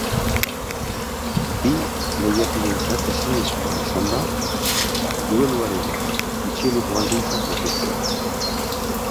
Bi lehiakideentzat ezinezkoa izan da dueluaren gutxieneko baldintzak betetzea.